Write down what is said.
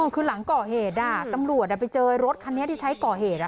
คือหลังก่อเหตุตำรวจไปเจอรถคันนี้ที่ใช้ก่อเหตุ